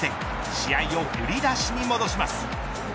試合を振り出しに戻します。